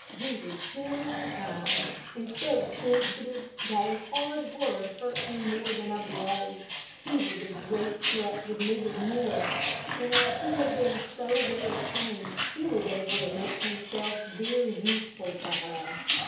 He was gentle and kind, and so sensitive that a hard word hurt him more than a blow. He was a great pet with Mrs. Morris, and as he had been so well trained, he was able to make himself very useful to her.